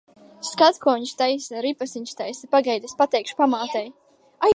Skat, ko viņš taisa! Ripas viņš taisa. Pagaidi, es pateikšu pamātei.